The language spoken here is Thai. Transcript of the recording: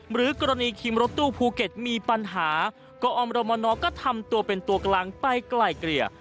หรือกรณีคิมรถตู้ภูเก็ตมีปัญหาก็อมรมนก็ทำตัวเป็นตัวกลางไปไกลเกลี่ย